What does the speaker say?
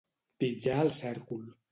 Pitjar el cèrcol.